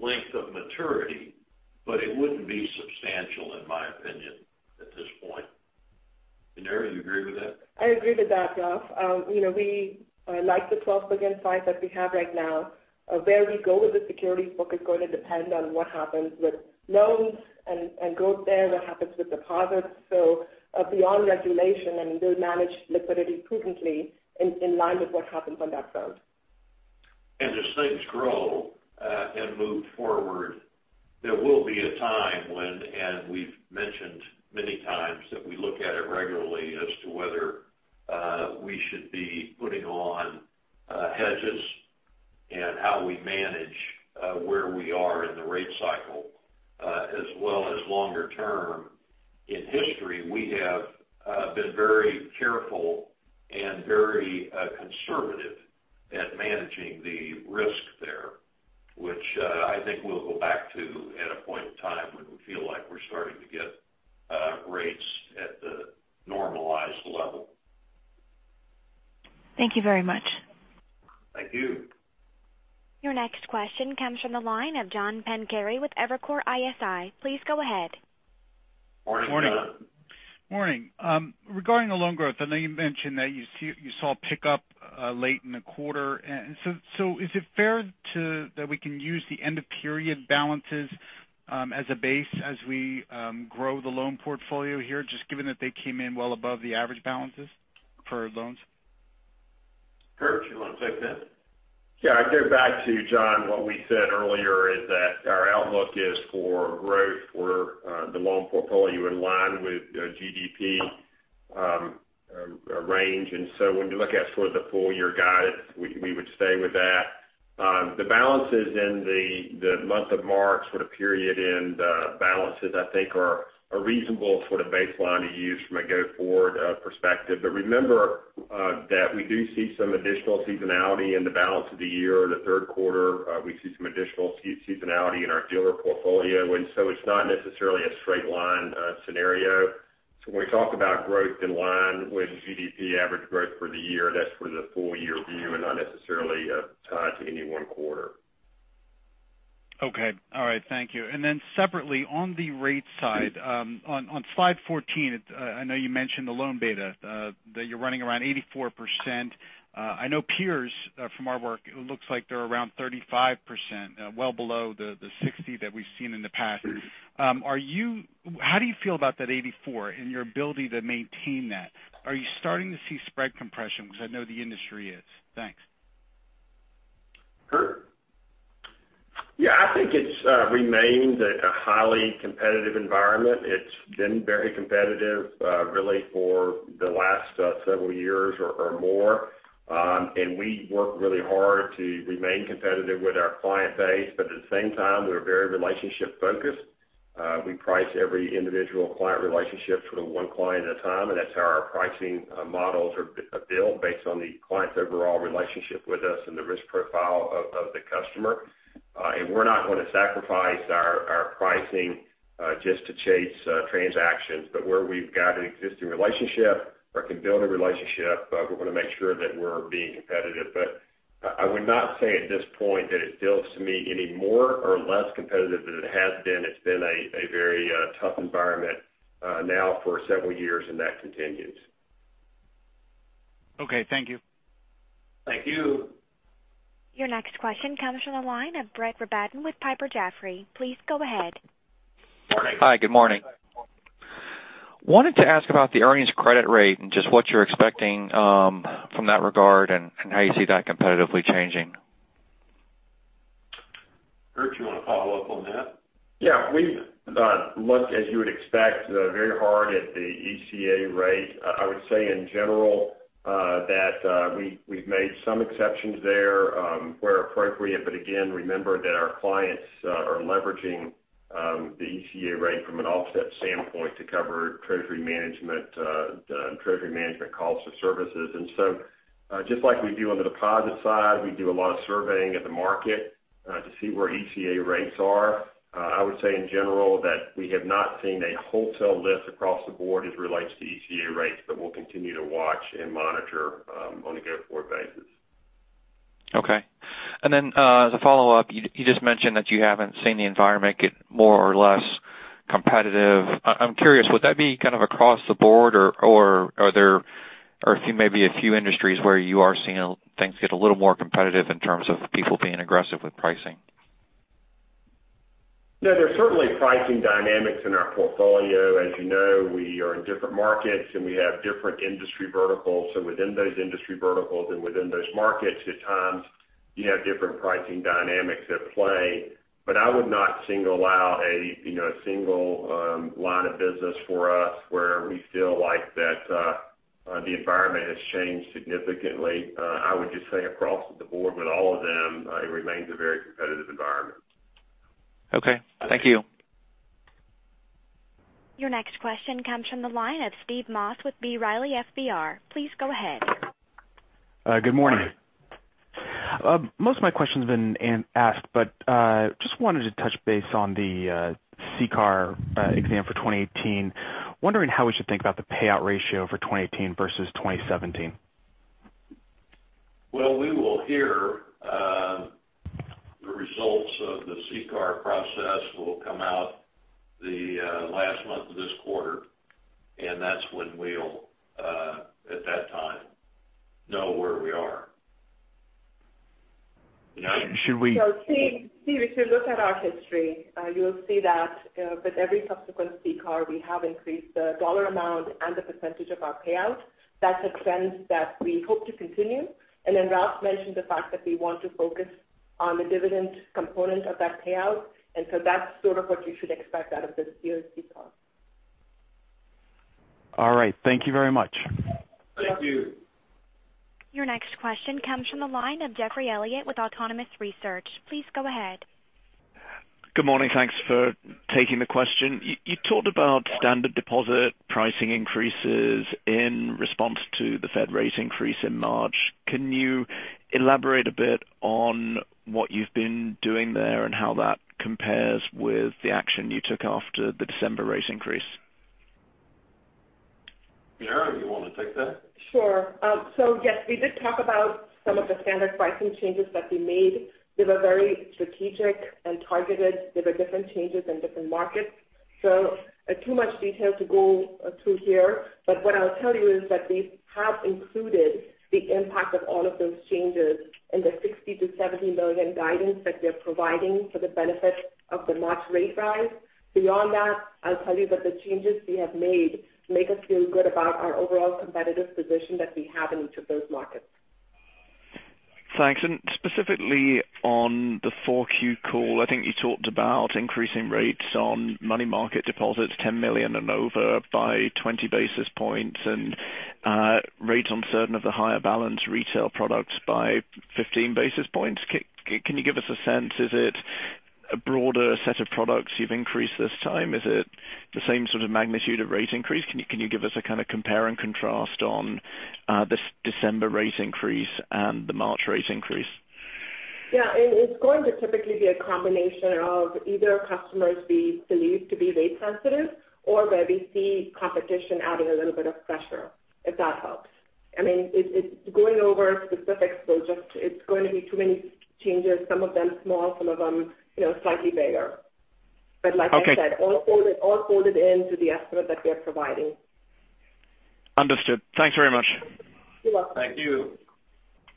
length of maturity, but it wouldn't be substantial, in my opinion, at this point. Muneera, you agree with that? I agree with that, Ralph. We like the $12 billion size that we have right now. Where we go with the securities book is going to depend on what happens with loans and growth there, what happens with deposits. Beyond regulation, and we'll manage liquidity prudently in line with what happens on that front. As things grow and move forward, there will be a time when, and we've mentioned many times that we look at it regularly as to whether we should be putting on hedges and how we manage where we are in the rate cycle as well as longer term. In history, we have been very careful and very conservative at managing the risk there, which I think we'll go back to at a point in time when we feel like we're starting to get rates at the normalized level. Thank you very much. Thank you. Your next question comes from the line of John Pancari with Evercore ISI. Please go ahead. Morning, John. Morning. Regarding the loan growth, I know you mentioned that you saw a pickup late in the quarter. Is it fair that we can use the end-of-period balances as a base as we grow the loan portfolio here, just given that they came in well above the average balances for loans? Curt, you want to take that? Yeah, I'd go back to John. What we said earlier is that our outlook is for growth for the loan portfolio in line with GDP range. When you look at sort of the full-year guidance, we would stay with that. The balances in the month of March, sort of period-end balances, I think are a reasonable sort of baseline to use from a go-forward perspective. Remember that we do see some additional seasonality in the balance of the year. The third quarter, we see some additional seasonality in our dealer portfolio. It's not necessarily a straight line scenario. When we talk about growth in line with GDP average growth for the year, that's for the full-year view and not necessarily tied to any one quarter. Okay. All right. Thank you. Separately, on the rate side, on slide 14, I know you mentioned the loan beta, that you're running around 84%. I know peers from our work, it looks like they're around 35%, well below the 60 that we've seen in the past. How do you feel about that 84 and your ability to maintain that? Are you starting to see spread compression? I know the industry is. Thanks. Curt? Yeah, I think it's remained a highly competitive environment. It's been very competitive really for the last several years or more. We work really hard to remain competitive with our client base. At the same time, we're very relationship-focused. We price every individual client relationship sort of one client at a time, and that's how our pricing models are built based on the client's overall relationship with us and the risk profile of the customer. We're not going to sacrifice our pricing just to chase transactions. Where we've got an existing relationship or can build a relationship, we want to make sure that we're being competitive. I would not say at this point that it feels to me any more or less competitive than it has been. It's been a very tough environment now for several years, and that continues. Okay. Thank you. Thank you. Your next question comes from the line of Brett Rabatin with Piper Jaffray. Please go ahead. Morning. Hi. Good morning. I wanted to ask about the earnings credit rate and just what you're expecting from that regard and how you see that competitively changing. Curt, you want to follow up on that? Yeah. We've looked, as you would expect, very hard at the ECA rate. I would say in general that we've made some exceptions there where appropriate. Again, remember that our clients are leveraging the ECA rate from an offset standpoint to cover treasury management costs of services. Just like we do on the deposit side, we do a lot of surveying of the market to see where ECA rates are. I would say in general that we have not seen a wholesale lift across the board as relates to ECA rates, we'll continue to watch and monitor on a go-forward basis. Okay. As a follow-up, you just mentioned that you haven't seen the environment get more or less competitive. I'm curious, would that be kind of across the board, or are there maybe a few industries where you are seeing things get a little more competitive in terms of people being aggressive with pricing? No, there's certainly pricing dynamics in our portfolio. As you know, we are in different markets, and we have different industry verticals. Within those industry verticals and within those markets, at times you have different pricing dynamics at play. I would not single out a single line of business for us where we feel like that the environment has changed significantly. I would just say across the board with all of them, it remains a very competitive environment. Okay. Thank you. Your next question comes from the line of Steve Moss with B. Riley FBR. Please go ahead. Good morning. Most of my question's been asked, just wanted to touch base on the CCAR exam for 2018. Wondering how we should think about the payout ratio for 2018 versus 2017. Well, we will hear the results of the CCAR process will come out the last month of this quarter, that's when we'll, at that time, know where we are. Should we- Steve, if you look at our history, you'll see that with every subsequent CCAR, we have increased the dollar amount and the percentage of our payout. That's a trend that we hope to continue. Ralph mentioned the fact that we want to focus on the dividend component of that payout. That's sort of what you should expect out of this year's CCAR. All right. Thank you very much. Thank you. Your next question comes from the line of Geoffrey Elliott with Autonomous Research. Please go ahead. Good morning. Thanks for taking the question. You talked about standard deposit pricing increases in response to the Fed rate increase in March. Can you elaborate a bit on what you've been doing there and how that compares with the action you took after the December rate increase? Muneera, you want to take that? Sure. Yes, we did talk about some of the standard pricing changes that we made. They were very strategic and targeted. They were different changes in different markets. Too much detail to go through here, but what I'll tell you is that we have included the impact of all of those changes in the $60 million-$70 million guidance that we are providing for the benefit of the March rate rise. Beyond that, I'll tell you that the changes we have made make us feel good about our overall competitive position that we have in each of those markets. Thanks. Specifically on the Q4 call, I think you talked about increasing rates on money market deposits, $10 million and over by 20 basis points, and rates on certain of the higher balance retail products by 15 basis points. Can you give us a sense? Is it a broader set of products you've increased this time? Is it the same sort of magnitude of rate increase? Can you give us a kind of compare and contrast on this December rate increase and the March rate increase? Yeah. It's going to typically be a combination of either customers we believe to be rate sensitive or where we see competition adding a little bit of pressure, if that helps. Going over specifics, it's going to be too many changes, some of them small, some of them slightly bigger. Okay. Like I said, all folded into the estimate that we're providing. Understood. Thanks very much. You're welcome. Thank you.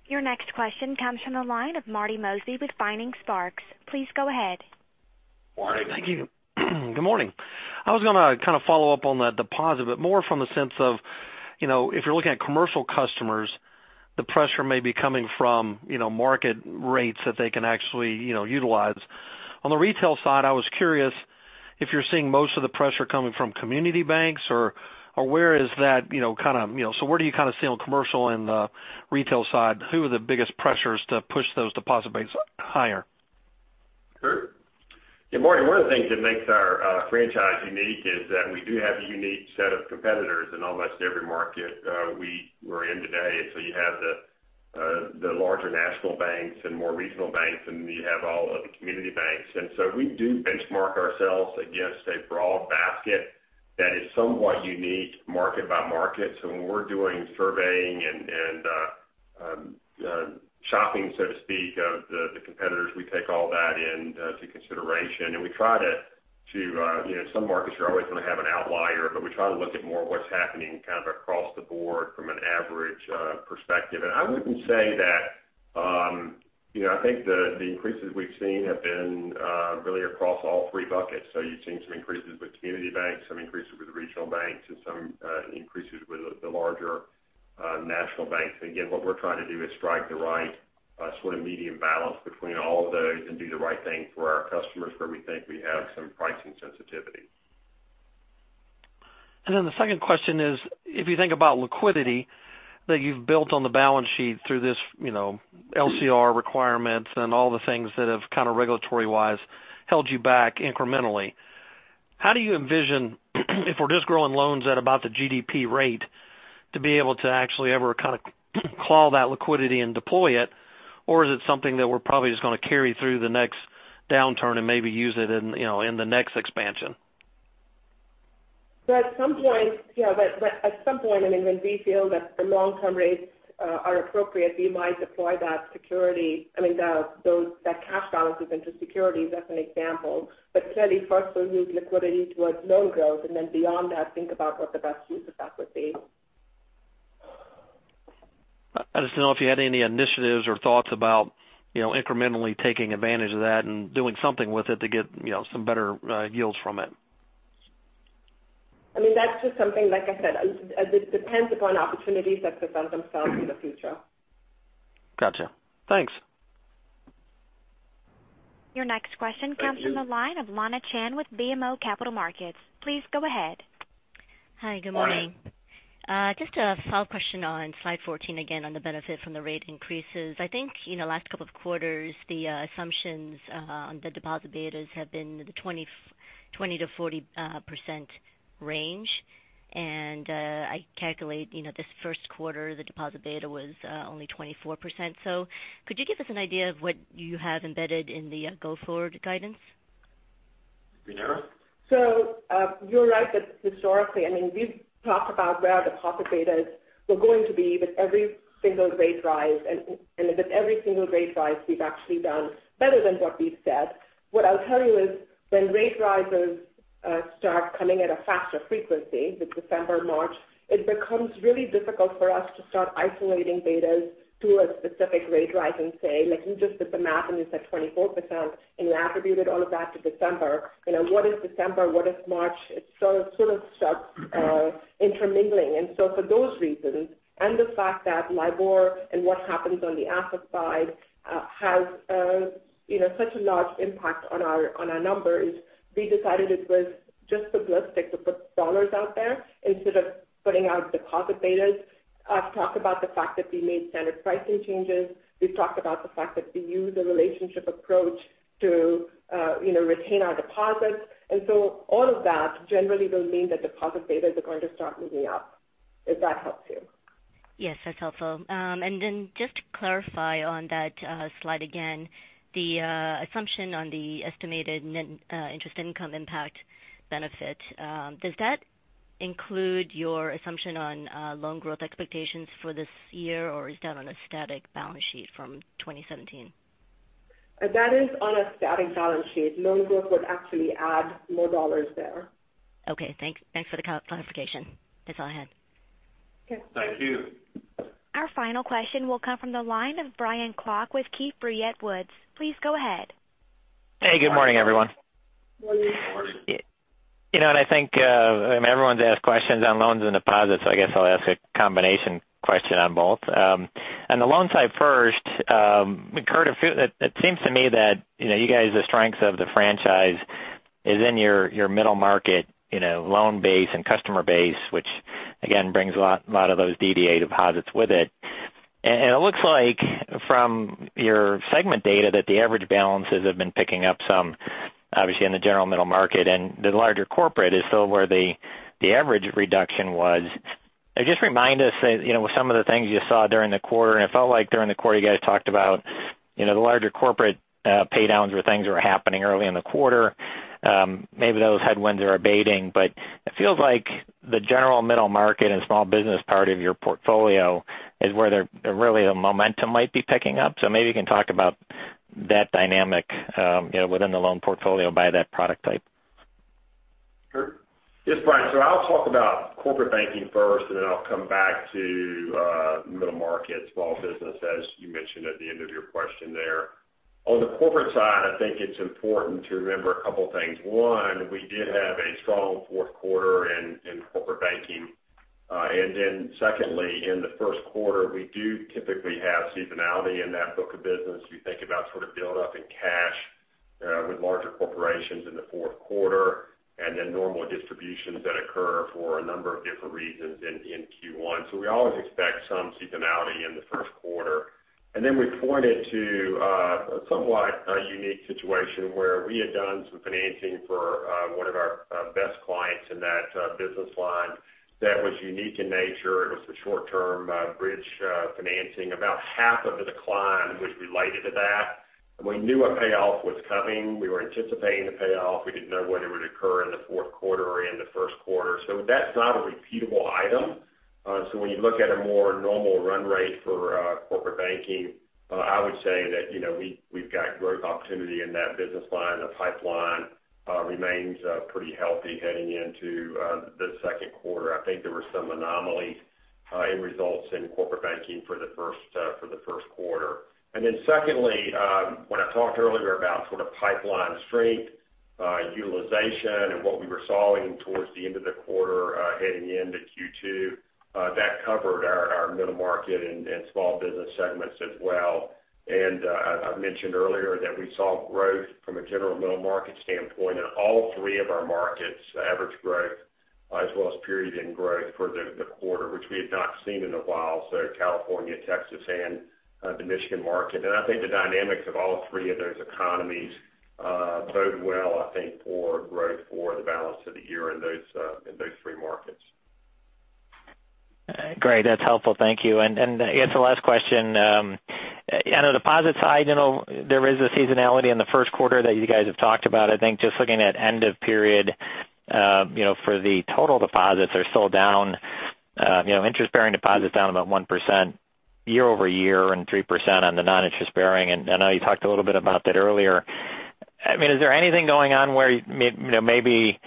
Your next question comes from the line of Marty Mosby with Vining Sparks. Please go ahead. Morning. Thank you. Good morning. I was going to follow up on that deposit. More from the sense of, if you're looking at commercial customers, the pressure may be coming from market rates that they can actually utilize. On the retail side, I was curious if you're seeing most of the pressure coming from community banks or where do you kind of see on commercial and the retail side, who are the biggest pressures to push those deposit rates higher? Sure. Yeah, Marty, one of the things that makes our franchise unique is that we do have a unique set of competitors in almost every market we are in today. You have the larger national banks and more regional banks, and then you have all of the community banks. We do benchmark ourselves against a broad basket that is somewhat unique market by market. When we're doing surveying and shopping, so to speak, of the competitors, we take all that into consideration. Some markets, you're always going to have an outlier, but we try to look at more what's happening kind of across the board from an average perspective. I think the increases we've seen have been really across all three buckets. You've seen some increases with community banks, some increases with the regional banks, and some increases with the larger national banks. Again, what we're trying to do is strike the right sort of medium balance between all of those and do the right thing for our customers where we think we have some pricing sensitivity. The second question is, if you think about liquidity that you've built on the balance sheet through this LCR requirements and all the things that have kind of regulatory-wise held you back incrementally, how do you envision, if we're just growing loans at about the GDP rate, to be able to actually ever claw that liquidity and deploy it? Is it something that we're probably just going to carry through the next downturn and maybe use it in the next expansion? At some point when we feel that the long-term rates are appropriate, we might deploy that security. That cash balances into securities, as an example. Clearly first we'll use liquidity towards loan growth, then beyond that, think about what the best use of that would be. I just didn't know if you had any initiatives or thoughts about incrementally taking advantage of that and doing something with it to get some better yields from it. That's just something, like I said, it depends upon opportunities as they present themselves in the future. Got you. Thanks. Your next question comes from the line of Lana Chan with BMO Capital Markets. Please go ahead. Hi, good morning. Morning. Just a follow-up question on slide 14, again, on the benefit from the rate increases. I think in the last couple of quarters, the assumptions on the deposit betas have been the 20%-40% range. I calculate this first quarter, the deposit beta was only 24%. Could you give us an idea of what you have embedded in the go-forward guidance? Muneera? You're right that historically, we've talked about where our deposit betas were going to be with every single rate rise. With every single rate rise, we've actually done better than what we've said. What I'll tell you is when rate rises start coming at a faster frequency, with December, March, it becomes really difficult for us to start isolating betas to a specific rate rise and say, like you just did the math and you said 24%, and you attributed all of that to December. What is December, what is March? It sort of starts intermingling. For those reasons, and the fact that LIBOR and what happens on the asset side has such a large impact on our numbers, we decided it was just simplistic to put dollars out there instead of putting out deposit betas. I've talked about the fact that we made standard pricing changes. We've talked about the fact that we use a relationship approach to retain our deposits. All of that generally will mean that deposit betas are going to start moving up, if that helps you. Yes, that's helpful. Just to clarify on that slide again, the assumption on the estimated net interest income impact benefit, does that include your assumption on loan growth expectations for this year, or is that on a static balance sheet from 2017? That is on a static balance sheet. Loan growth would actually add more dollars there. Okay, thanks for the clarification. That's all I had. Okay. Thank you. Our final question will come from the line of Brian Klock with Keefe, Bruyette & Woods. Please go ahead. Hey, good morning, everyone. Morning. Morning. I think everyone's asked questions on loans and deposits. I guess I'll ask a combination question on both. On the loan side first, Curt, it seems to me that you guys, the strengths of the franchise is in your middle market loan base and customer base, which again brings a lot of those DDA deposits with it. It looks like from your segment data that the average balances have been picking up some, obviously in the general middle market, and the larger corporate is still where the average reduction was. Just remind us some of the things you saw during the quarter. It felt like during the quarter you guys talked about the larger corporate pay downs where things were happening early in the quarter. Maybe those headwinds are abating. It feels like the general middle market and small business part of your portfolio is where really the momentum might be picking up. Maybe you can talk about that dynamic within the loan portfolio by that product type. Curt? Yes, Brian. I'll talk about corporate banking first. Then I'll come back to middle market, small business, as you mentioned at the end of your question there. On the corporate side, I think it's important to remember a couple things. One, we did have a strong fourth quarter in corporate banking. Secondly, in the first quarter, we do typically have seasonality in that book of business. You think about sort of build up in cash with larger corporations in the fourth quarter, then normal distributions that occur for a number of different reasons in Q1. We always expect some seasonality in the first quarter. We pointed to a somewhat unique situation where we had done some financing for one of our best clients in that business line that was unique in nature. It was the short-term bridge financing. About half of the decline was related to that. We knew a payoff was coming. We were anticipating the payoff. We didn't know whether it would occur in the fourth quarter or in the first quarter. That's not a repeatable item. When you look at a more normal run rate for corporate banking, I would say that we've got growth opportunity in that business line. The pipeline remains pretty healthy heading into the second quarter. I think there were some anomalies in results in corporate banking for the first quarter. Secondly, when I talked earlier about sort of pipeline strength, utilization, and what we were solving towards the end of the quarter heading into Q2, that covered our middle market and small business segments as well. I've mentioned earlier that we saw growth from a general middle market standpoint in all three of our markets, average growth as well as period end growth for the quarter, which we had not seen in a while. California, Texas, and the Michigan market. I think the dynamics of all three of those economies bode well, I think, for growth for the balance of the year in those three markets. Great. That's helpful. Thank you. I guess the last question. On the deposit side, there is a seasonality in the first quarter that you guys have talked about. I think just looking at end of period, for the total deposits are still down, interest-bearing deposits down about 1% year-over-year and 3% on the non-interest bearing. I know you talked a little bit about that earlier. Is there anything going on where maybe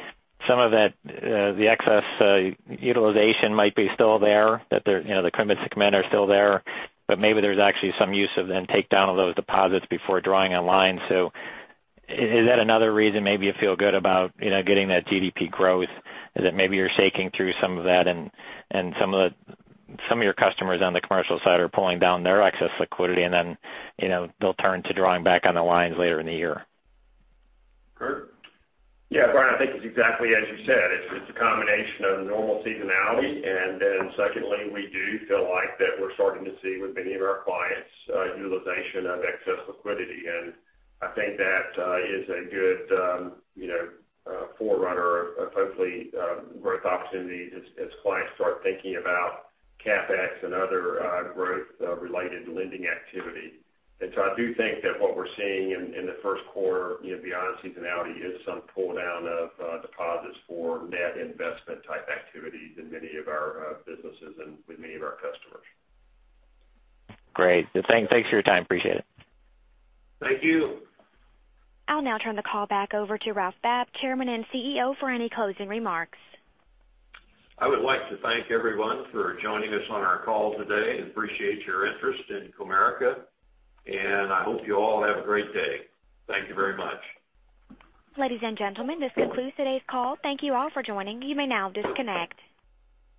some of the excess utilization might be still there, that the commitments are still there, but maybe there's actually some use of then take down of those deposits before drawing a line. Is that another reason maybe you feel good about getting that GDP growth is that maybe you're shaking through some of that and some of your customers on the commercial side are pulling down their excess liquidity, and then they'll turn to drawing back on the lines later in the year? Curt? Yeah, Brian, I think it's exactly as you said. It's a combination of normal seasonality, secondly, we do feel like that we're starting to see with many of our clients utilization of excess liquidity. I think that is a good forerunner of hopefully growth opportunities as clients start thinking about CapEx and other growth-related lending activity. I do think that what we're seeing in the first quarter beyond seasonality is some pull down of deposits for net investment type activities in many of our businesses and with many of our customers. Great. Thanks for your time. Appreciate it. Thank you. I'll now turn the call back over to Ralph Babb, Chairman and CEO, for any closing remarks. I would like to thank everyone for joining us on our call today and appreciate your interest in Comerica, and I hope you all have a great day. Thank you very much. Ladies and gentlemen, this concludes today's call. Thank you all for joining. You may now disconnect.